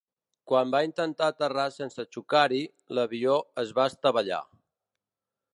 Quan va intentar aterrar sense xocar-hi, l'avió es va estavellar.